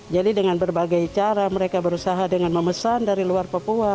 jadi dengan berbagai cara mereka berusaha dengan memesan dari luar papua